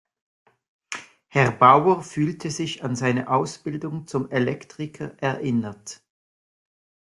Herr Bauer fühlte sich an seine Ausbildung zum Elektriker erinnert.